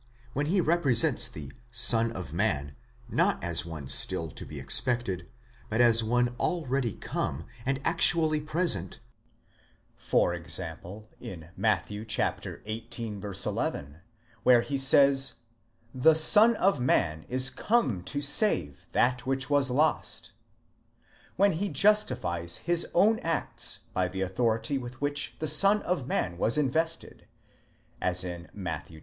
When he represents the Son of Man, not as one still to be expected, but as one already come and actually present, for example, in Matt. xviii. 11, where he says: Zhe Son of Man is come to save that which was lost; when he justifies his own acts by the authority with which the Son of Man was invested, as in Matt.